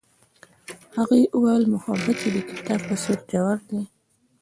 هغې وویل محبت یې د کتاب په څېر ژور دی.